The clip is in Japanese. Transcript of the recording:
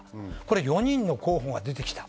４人の候補が出てきた。